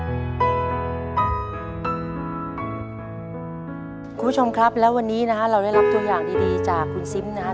คุณผู้ชมครับแล้ววันนี้นะฮะเราได้รับตัวอย่างดีจากคุณซิมนะครับ